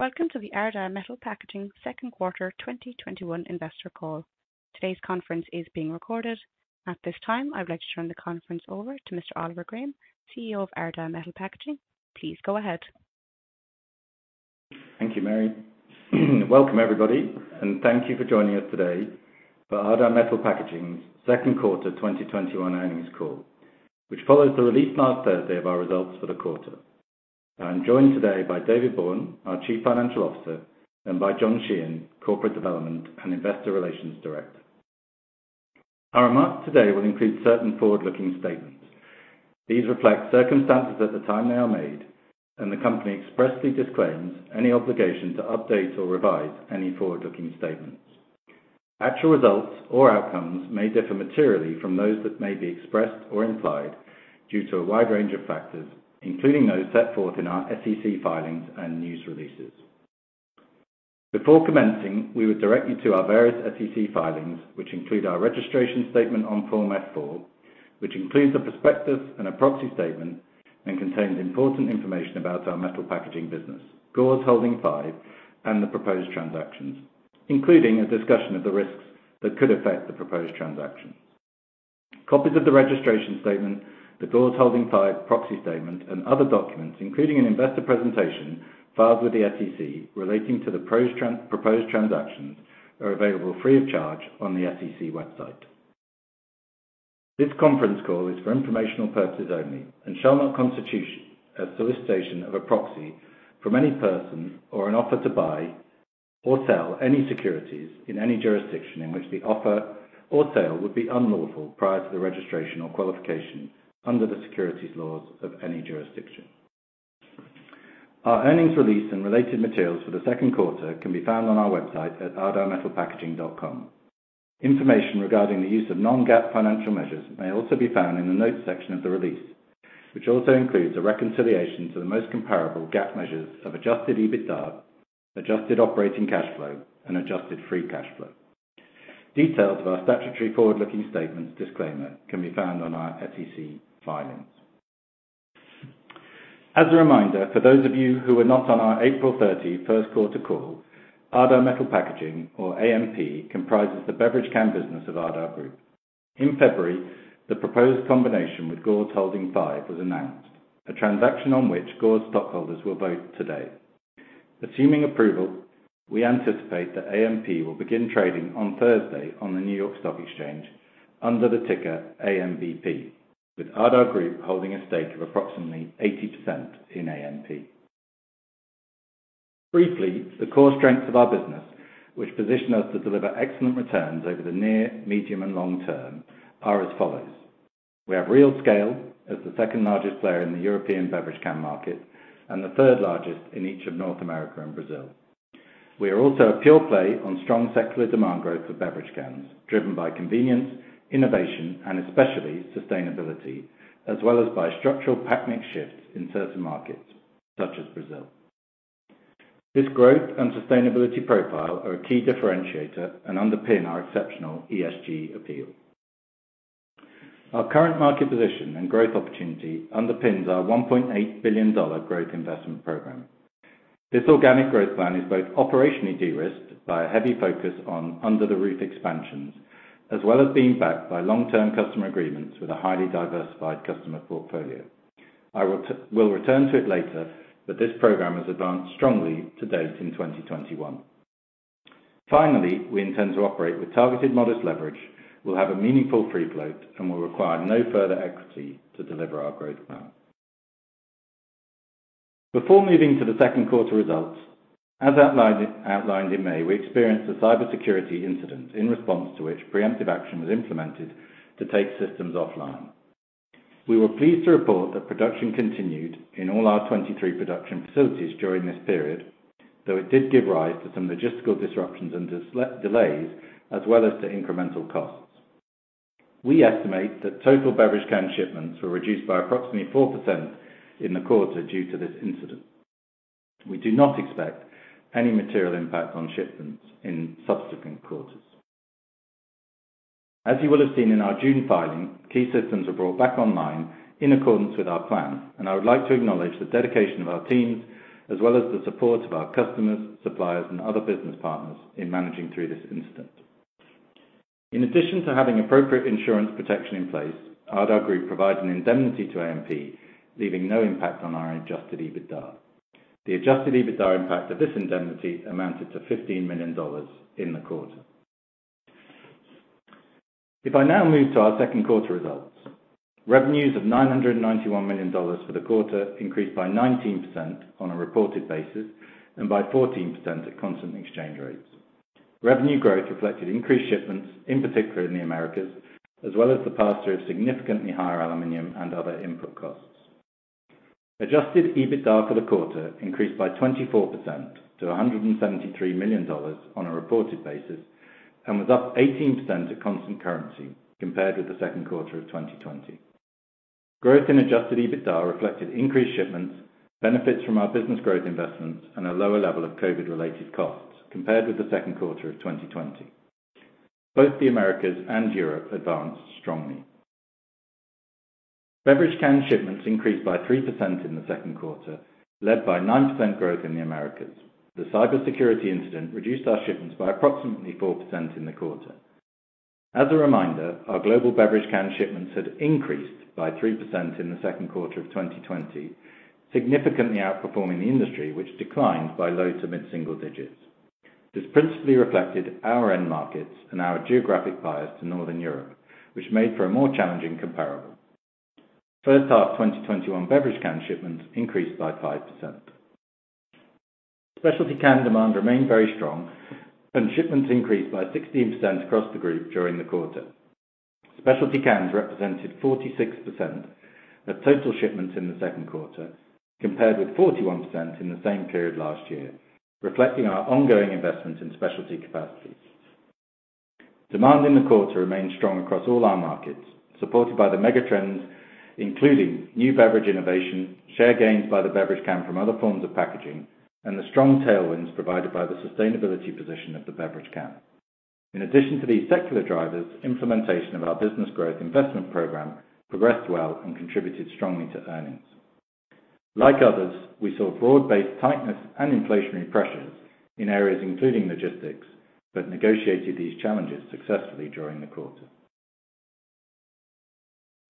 Welcome to the Ardagh Metal Packaging Second Quarter 2021 Investor Call. Today's conference is being recorded. At this time, I would like to turn the conference over to Mr. Oliver Graham, Chief Executive Officer of Ardagh Metal Packaging. Please go ahead. Thank you, Mary. Welcome everybody, and thank you for joining us today for Ardagh Metal Packaging's Second Quarter 2021 Earnings Call, which follows the release last Thursday of our results for the quarter. I'm joined today by David Bourne, our Chief Financial Officer, and by John Sheehan, Corporate Development and Investor Relations Director. Our remarks today will include certain forward-looking statements. These reflect circumstances at the time they are made, and the company expressly disclaims any obligation to update or revise any forward-looking statements. Actual results or outcomes may differ materially from those that may be expressed or implied due to a wide range of factors, including those set forth in our SEC filings and news releases. Before commencing, we would direct you to our various SEC filings, which include our registration statement on Form S-4, which includes a prospectus and a proxy statement and contains important information about our metal packaging business, Gores Holdings V, and the proposed transactions, including a discussion of the risks that could affect the proposed transaction. Copies of the registration statement, the Gores Holdings V proxy statement, and other documents, including an investor presentation filed with the SEC relating to the proposed transactions, are available free of charge on the SEC website. This conference call is for informational purposes only and shall not constitute as solicitation of a proxy from any person or an offer to buy or sell any securities in any jurisdiction in which the offer or sale would be unlawful prior to the registration or qualification under the securities laws of any jurisdiction. Our earnings release and related materials for the second quarter can be found on our website at ardaghmetalpackaging.com. Information regarding the use of non-GAAP financial measures may also be found in the notes section of the release, which also includes a reconciliation to the most comparable GAAP measures of adjusted EBITDA, adjusted operating cash flow, and adjusted free cash flow. Details of our statutory forward-looking statements disclaimer can be found on our SEC filings. As a reminder, for those of you who were not on our April 30 first quarter call, Ardagh Metal Packaging, or AMP, comprises the beverage can business of Ardagh Group. In February, the proposed combination with Gores Holdings V was announced, a transaction on which Gores stockholders will vote today. Assuming approval, we anticipate that AMP will begin trading on Thursday on the New York Stock Exchange under the ticker AMBP, with Ardagh Group holding a stake of approximately 80% in AMP. Briefly, the core strengths of our business, which position us to deliver excellent returns over the near, medium, and long term are as follows. We have real scale as the second-largest player in the European beverage can market and the third largest in each of North America and Brazil. We are also a pure play on strong secular demand growth for beverage cans, driven by convenience, innovation, and especially sustainability, as well as by structural pack mix shifts in certain markets such as Brazil. This growth and sustainability profile are a key differentiator and underpin our exceptional ESG appeal. Our current market position and growth opportunity underpins our $1.8 billion growth investment program. This organic growth plan is both operationally de-risked by a heavy focus on under-the-roof expansions, as well as being backed by long-term customer agreements with a highly diversified customer portfolio. I will return to it later, but this program has advanced strongly to date in 2021. Finally, we intend to operate with targeted modest leverage. We'll have a meaningful free float and will require no further equity to deliver our growth plan. Before moving to the second quarter results, as outlined in May, we experienced a cybersecurity incident in response to which preemptive action was implemented to take systems offline. We were pleased to report that production continued in all our 23 production facilities during this period, though it did give rise to some logistical disruptions and delays as well as to incremental costs. We estimate that total beverage can shipments were reduced by approximately 4% in the quarter due to this incident. We do not expect any material impact on shipments in subsequent quarters. As you will have seen in our June filing, key systems were brought back online in accordance with our plan, and I would like to acknowledge the dedication of our teams as well as the support of our customers, suppliers, and other business partners in managing through this incident. In addition to having appropriate insurance protection in place, Ardagh Group provides an indemnity to AMP, leaving no impact on our Adjusted EBITDA. The Adjusted EBITDA impact of this indemnity amounted to $15 million in the quarter. If I now move to our second quarter results, revenues of $991 million for the quarter increased by 19% on a reported basis and by 14% at constant exchange rates. Revenue growth reflected increased shipments, in particular in the Americas, as well as the pass-through of significantly higher aluminum and other input costs. Adjusted EBITDA for the quarter increased by 24% to $173 million on a reported basis and was up 18% at constant currency compared with the second quarter of 2020. Growth in adjusted EBITDA reflected increased shipments, benefits from our Business Growth Investments, and a lower level of COVID-related costs compared with the second quarter of 2020. Both the Americas and Europe advanced strongly. Beverage can shipments increased by 3% in the second quarter, led by 9% growth in the Americas. The cybersecurity incident reduced our shipments by approximately 4% in the quarter. As a reminder, our global beverage can shipments had increased by 3% in the second quarter of 2020, significantly outperforming the industry, which declined by low-to-mid single digits. This principally reflected our end markets and our geographic bias to Northern Europe, which made for a more challenging comparable. First half 2021 beverage can shipments increased by 5%. Specialty can demand remained very strong and shipments increased by 16% across the group during the quarter. Specialty cans represented 46% of total shipments in the second quarter, compared with 41% in the same period last year, reflecting our ongoing investment in specialty capacities. Demand in the quarter remained strong across all our markets, supported by the mega trends, including new beverage innovation, share gains by the beverage can from other forms of packaging, and the strong tailwinds provided by the sustainability position of the beverage can. In addition to these secular drivers, implementation of our Business Growth Investment program progressed well and contributed strongly to earnings. Like others, we saw broad-based tightness and inflationary pressures in areas including logistics that negotiated these challenges successfully during the quarter.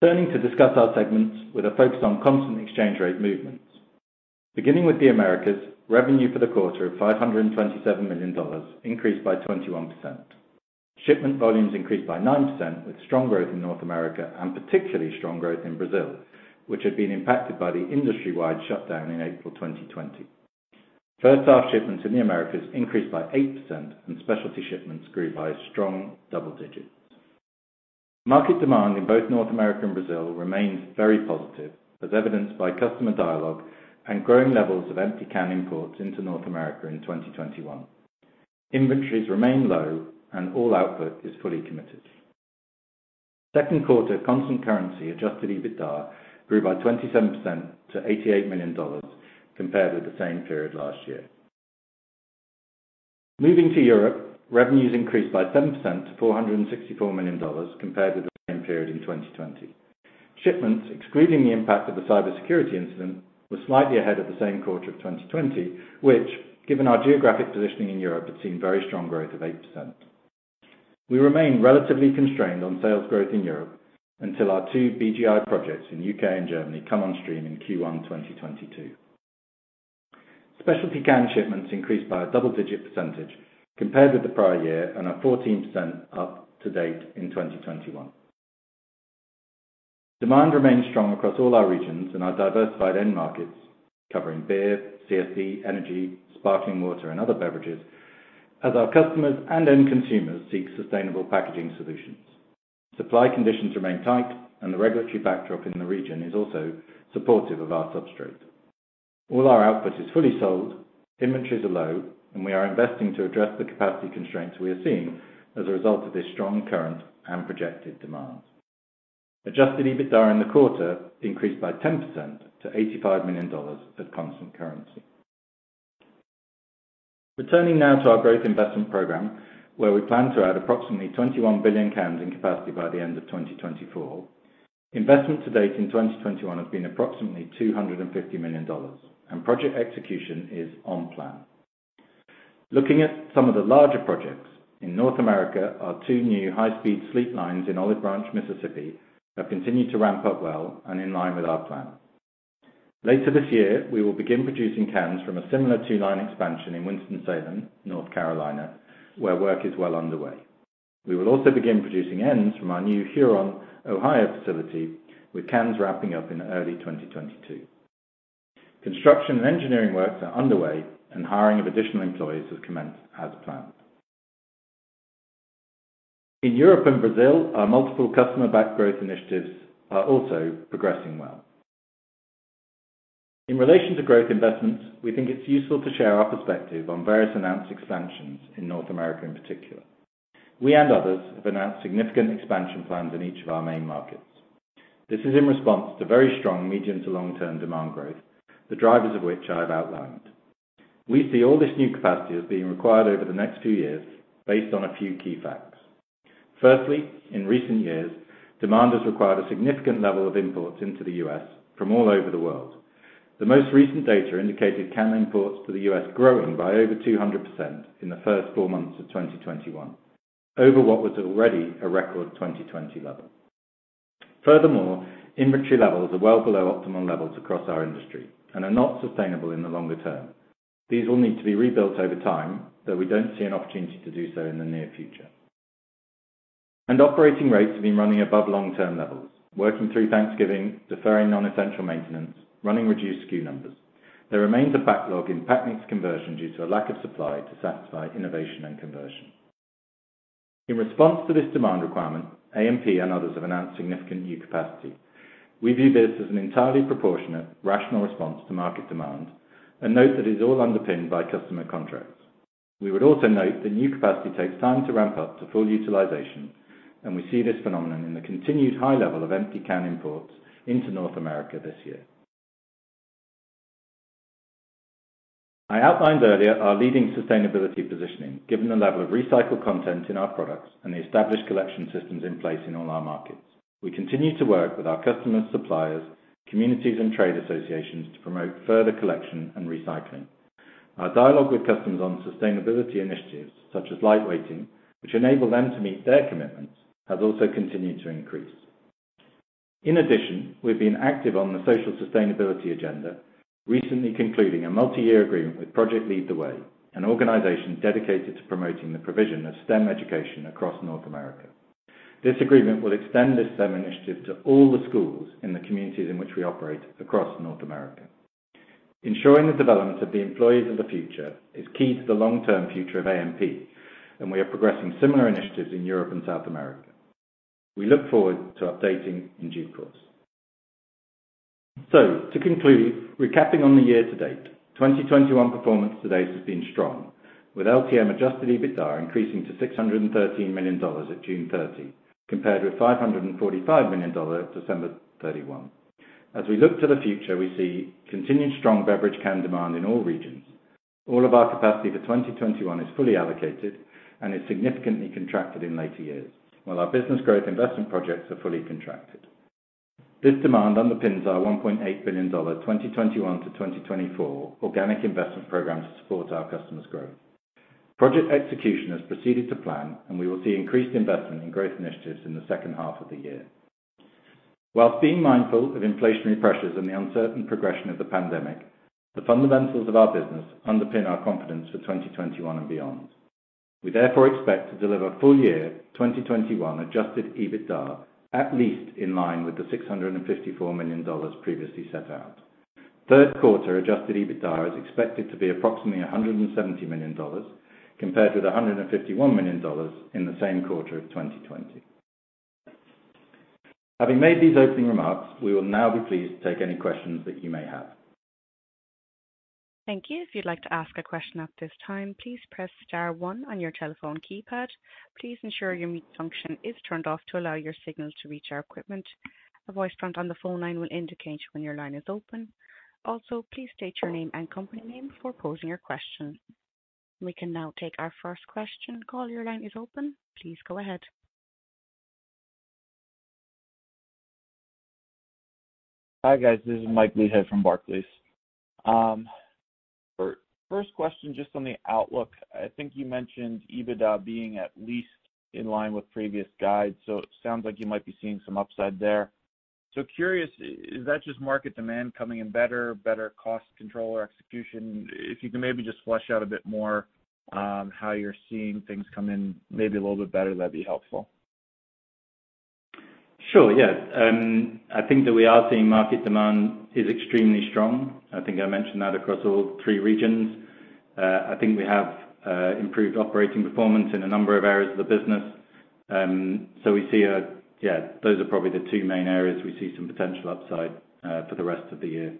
Turning to discuss our segments with a focus on constant exchange rate movements. Beginning with the Americas, revenue for the quarter of $527 million increased by 21%. Shipment volumes increased by 9% with strong growth in North America and particularly strong growth in Brazil, which had been impacted by the industry-wide shutdown in April 2020. First half shipments in the Americas increased by 8% and specialty shipments grew by strong double digits. Market demand in both North America and Brazil remains very positive, as evidenced by customer dialogue and growing levels of empty can imports into North America in 2021. Inventories remain low and all output is fully committed. Second quarter constant currency adjusted EBITDA grew by 27% to $88 million compared with the same period last year. Moving to Europe, revenues increased by 7% to $464 million compared with the same period in 2020. Shipments, excluding the impact of the cybersecurity incident, were slightly ahead of the same quarter of 2020, which, given our geographic positioning in Europe, had seen very strong growth of 8%. We remain relatively constrained on sales growth in Europe until our two BGI projects in U.K. and Germany come on stream in Q1 2022. Specialty can shipments increased by a double-digit percentage compared with the prior year and are 14% up to date in 2021. Demand remains strong across all our regions and our diversified end markets, covering beer, CSD, energy, sparkling water, and other beverages, as our customers and end consumers seek sustainable packaging solutions. Supply conditions remain tight and the regulatory backdrop in the region is also supportive of our substrate. All our output is fully sold, inventories are low, and we are investing to address the capacity constraints we are seeing as a result of this strong current and projected demand. Adjusted EBITDA in the quarter increased by 10% to $85 million at constant currency. Returning now to our growth investment program, where we plan to add approximately 21 billion cans in capacity by the end of 2024. Investment to date in 2021 has been approximately $250 million and project execution is on plan. Looking at some of the larger projects in North America, our two new high-speed slitter lines in Olive Branch, Mississippi, have continued to ramp up well and in line with our plan. Later this year, we will begin producing cans from a similar two-line expansion in Winston-Salem, North Carolina, where work is well underway. We will also begin producing ends from our new Huron, Ohio, facility, with cans ramping up in early 2022. Construction and engineering works are underway and hiring of additional employees has commenced as planned. In Europe and Brazil, our multiple customer-backed growth initiatives are also progressing well. In relation to growth investments, we think it's useful to share our perspective on various announced expansions in North America in particular. We and others have announced significant expansion plans in each of our main markets. This is in response to very strong medium to long term demand growth, the drivers of which I have outlined. We see all this new capacity as being required over the next few years based on a few key facts. Firstly, in recent years, demand has required a significant level of imports into the U.S. from all over the world. The most recent data indicated can imports to the U.S. growing by over 200% in the first four months of 2021, over what was already a record 2020 level. Furthermore, inventory levels are well below optimal levels across our industry and are not sustainable in the longer term. These will need to be rebuilt over time, though we don't see an opportunity to do so in the near future. Operating rates have been running above long term levels, working through Thanksgiving, deferring non-essential maintenance, running reduced SKU numbers. There remains a backlog in pack mix conversion due to a lack of supply to satisfy innovation and conversion. In response to this demand requirement, AMP and others have announced significant new capacity. We view this as an entirely proportionate, rational response to market demand, and note that it is all underpinned by customer contracts. We would also note that new capacity takes time to ramp up to full utilization, and we see this phenomenon in the continued high level of empty can imports into North America this year. I outlined earlier our leading sustainability positioning, given the level of recycled content in our products and the established collection systems in place in all our markets. We continue to work with our customers, suppliers, communities, and trade associations to promote further collection and recycling. Our dialogue with customers on sustainability initiatives such as light weighting, which enable them to meet their commitments, has also continued to increase. In addition, we've been active on the social sustainability agenda, recently concluding a multi-year agreement with Project Lead The Way, an organization dedicated to promoting the provision of STEM education across North America. This agreement will extend this STEM initiative to all the schools in the communities in which we operate across North America. Ensuring the development of the employees of the future is key to the long-term future of AMP, and we are progressing similar initiatives in Europe and South America. We look forward to updating in due course. To conclude, recapping on the year to date, 2021 performance to date has been strong, with LTM adjusted EBITDA increasing to $613 million at June 30, compared with $545 million at December 31. As we look to the future, we see continued strong beverage can demand in all regions. All of our capacity for 2021 is fully allocated and is significantly contracted in later years. While our Business Growth Investment projects are fully contracted. This demand underpins our $1.8 billion 2021 to 2024 organic investment program to support our customers' growth. Project execution has proceeded to plan, and we will see increased investment in growth initiatives in the second half of the year. While being mindful of inflationary pressures and the uncertain progression of the pandemic, the fundamentals of our business underpin our confidence for 2021 and beyond. We therefore expect to deliver full year 2021 adjusted EBITDA at least in line with the $654 million previously set out. Third quarter adjusted EBITDA is expected to be approximately $170 million, compared with $151 million in the same quarter of 2020. Having made these opening remarks, we will now be pleased to take any questions that you may have. Thank you. If you'd like to ask a question at this time, please press star one on your telephone keypad. Please ensure your mute function is turned off to allow your signals to reach our equipment. A voice prompt on the phone line will indicate when your line is open. Also, please state your name and company name before posing your question. We can now take our first question. Caller, your line is open. Please go ahead. Hi, guys. This is Michael Leithead from Barclays. For first question, just on the outlook, I think you mentioned EBITDA being at least in line with previous guides, so it sounds like you might be seeing some upside there. Curious, is that just market demand coming in better cost control or execution? If you can maybe just flesh out a bit more, how you're seeing things come in maybe a little bit better, that'd be helpful. Sure. I think that we are seeing market demand is extremely strong. I think I mentioned that across all three regions. I think we have improved operating performance in a number of areas of the business. Those are probably the two main areas we see some potential upside for the rest of the year.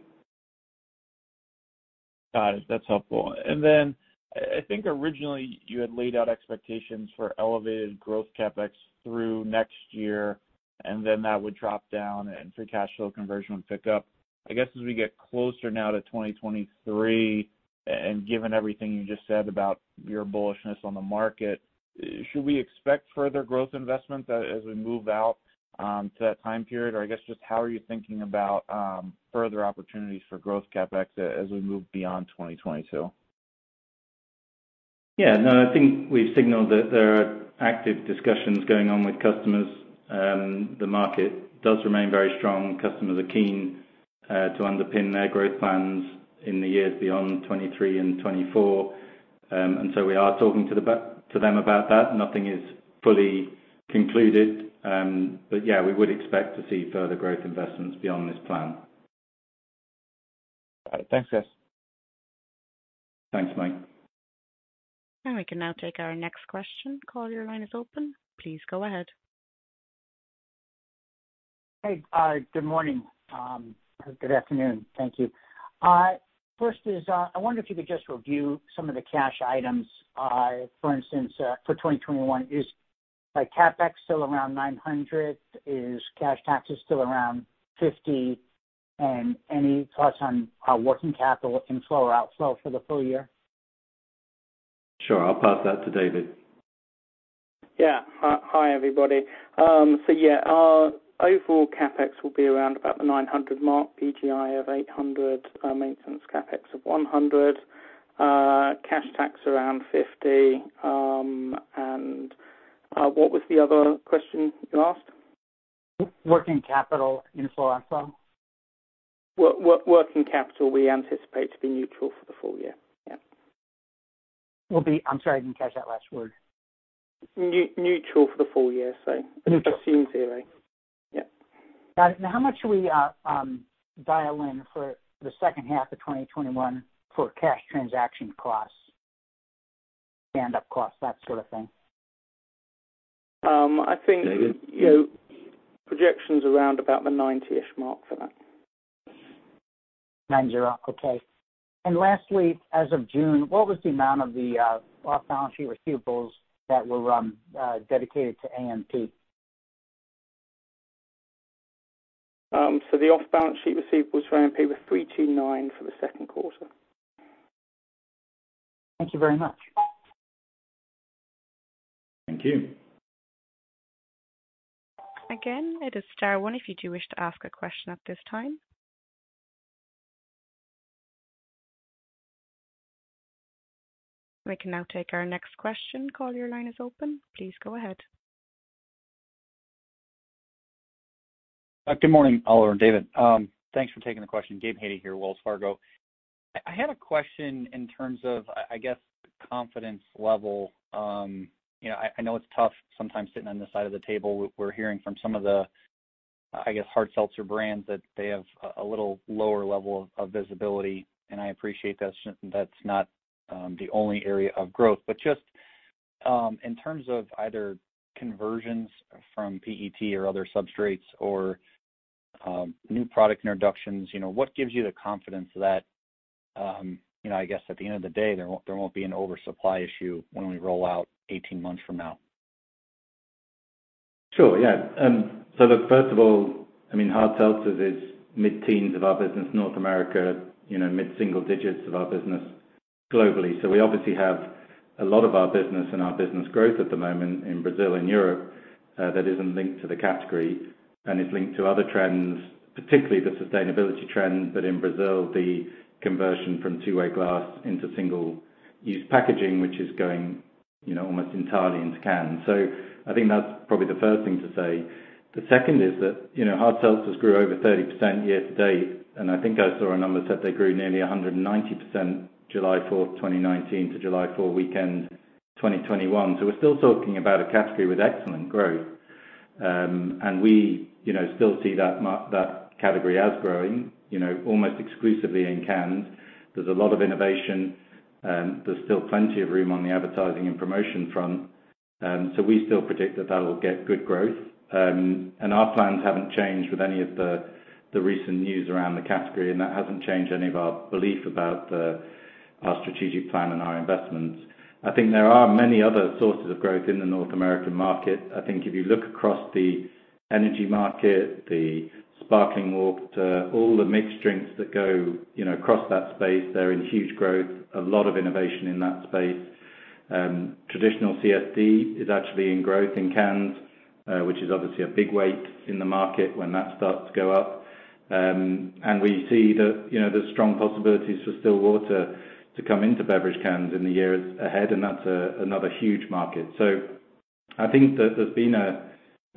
Got it. That's helpful. Then I think originally you had laid out expectations for elevated growth CapEx through next year, and then that would drop down and free cash flow conversion would pick up. I guess as we get closer now to 2023, and given everything you just said about your bullishness on the market, should we expect further growth investment as we move out to that time period? I guess just how are you thinking about further opportunities for growth CapEx as we move beyond 2022? Yeah, no, I think we've signaled that there are active discussions going on with customers. The market does remain very strong. Customers are keen to underpin their growth plans in the years beyond 2023 and 2024. We are talking to them about that. Nothing is fully concluded. Yeah, we would expect to see further growth investments beyond this plan. Got it. Thanks, guys. Thanks, Mike. We can now take our next question. Caller, your line is open. Please go ahead. Hey, good morning. Good afternoon. Thank you. First is, I wonder if you could just review some of the cash items. For instance, for 2021, is CapEx still around $900? Is cash taxes still around $50? Any thoughts on working capital inflow or outflow for the full year? Sure. I'll pass that to David. Yeah. Hi, everybody. Yeah, our overall CapEx will be around about the $900 mark, BGI of $800, maintenance CapEx of $100, cash tax around $50. What was the other question you asked? Working capital inflow, outflow. Working capital we anticipate to be neutral for the full year. Yeah. Will be I'm sorry, I didn't catch that last word. Neutral for the full year. Neutral. Assume zero. Yeah. How much should we dial in for the second half of 2021 for cash transaction costs, standup costs, that sort of thing? I think projections around about the $90-ish mark for that. $90. Okay. Lastly, as of June, what was the amount of the off-balance sheet receivables that were dedicated to AMP? The off-balance sheet receivables for AMP were $329 for the second quarter. Thank you very much. Thank you. Again, it is star one if you do wish to ask a question at this time. We can now take our next question. Caller, your line is open. Please go ahead. Good morning, Oliver and David. Thanks for taking the question. Gabe Hajde here, Wells Fargo. I had a question in terms of, I guess, confidence level. I know it's tough sometimes sitting on this side of the table. We're hearing from some of the, I guess, hard seltzer brands that they have a little lower level of visibility, and I appreciate that's not the only area of growth. Just in terms of either conversions from PET or other substrates or new product introductions, what gives you the confidence that, I guess at the end of the day, there won't be an oversupply issue when we roll out 18 months from now? Sure. Yeah. Look, first of all, hard seltzer is mid-teens of our business in North America, mid-single digits of our business globally. We obviously have a lot of our business and our business growth at the moment in Brazil and Europe that isn't linked to the category and is linked to other trends, particularly the sustainability trend, but in Brazil, the conversion from two-way glass into single-use packaging, which is going almost entirely into cans. I think that's probably the first thing to say. The second is that hard seltzers grew over 30% year to date, and I think I saw a number that they grew nearly 190% July 4th, 2019 to July 4 weekend 2021. We're still talking about a category with excellent growth. We still see that category as growing almost exclusively in cans. There's a lot of innovation. There's still plenty of room on the advertising and promotion front. We still predict that that'll get good growth. Our plans haven't changed with any of the recent news around the category, and that hasn't changed any of our belief about our strategic plan and our investments. I think there are many other sources of growth in the North American market. I think if you look across the energy market, the sparkling water, all the mixed drinks that go across that space, they're in huge growth, a lot of innovation in that space. Traditional CSD is actually in growth in cans, which is obviously a big weight in the market when that starts to go up. We see that there's strong possibilities for still water to come into beverage cans in the years ahead, and that's another huge market. I think that there's been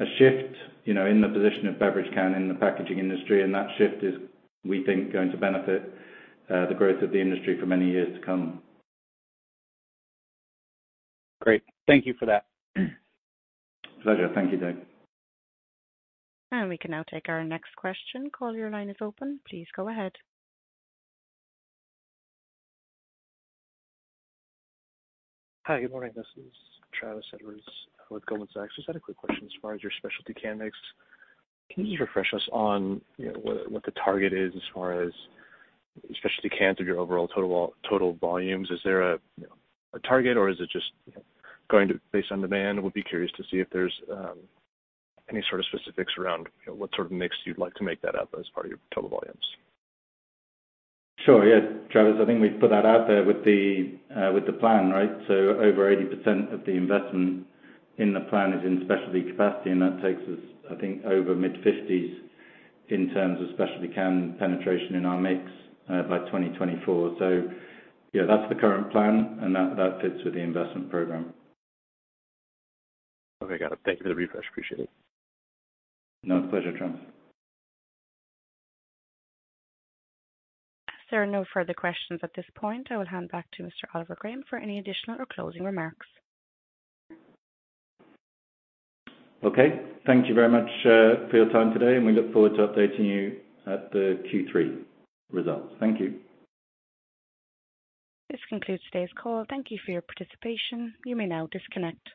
a shift in the position of beverage can in the packaging industry, and that shift is, we think, going to benefit the growth of the industry for many years to come. Great. Thank you for that. Pleasure. Thank you, Gabe. We can now take our next question. Caller, your line is open. Please go ahead. Hi, good morning. This is Travis Edwards with Goldman Sachs. Just had a quick question as far as your specialty can mix. Can you just refresh us on what the target is as far as specialty cans of your overall total volumes? Is there a target, or is it just going based on demand? We'd be curious to see if there's any sort of specifics around what sort of mix you'd like to make that up as part of your total volumes. Sure. Yeah, Travis, I think we put that out there with the plan, right? Over 80% of the investment in the plan is in specialty capacity, and that takes us, I think, over mid-50s in terms of specialty can penetration in our mix by 2024. Yeah, that's the current plan, and that fits with the investment program. Okay. Got it. Thank you for the refresh. Appreciate it. No, pleasure, Travis. As there are no further questions at this point, I will hand back to Mr. Oliver Graham for any additional or closing remarks. Okay. Thank you very much for your time today, and we look forward to updating you at the Q3 results. Thank you. This concludes today's call. Thank you for your participation. You may now disconnect.